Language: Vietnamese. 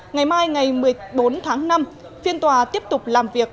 ngày mai ngày một mươi bốn tháng năm phiên tòa tiếp tục làm việc